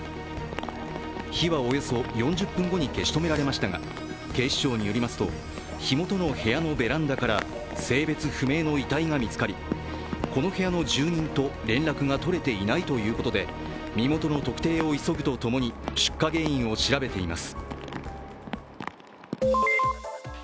火はおよそ４０分後に消し止められましたが警視庁によりますと火元の部屋のベランダから性別不明の遺体が見つかり、この部屋の住人と連絡が取れていないということで身元の特定を急ぐとともに出火原因を調べています。